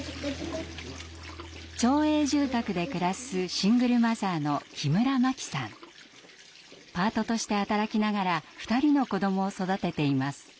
町営住宅で暮らすシングルマザーのパートとして働きながら２人の子どもを育てています。